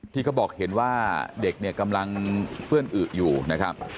ที่เขาบอกเห็นว่าเด็กเนี่ยกำลังเปื้อนอึอยู่นะครับ